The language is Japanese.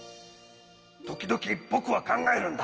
時々僕は考えるんだ。